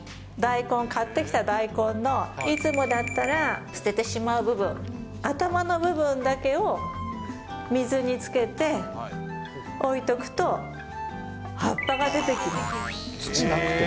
大根、買ってきた大根のいつもだったら捨ててしまう部分、頭の部分だけを水につけて置いておくと、葉っぱが出てきます。